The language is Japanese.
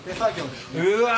うわ！